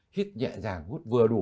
hít nhẹ nhàng hút vừa đủ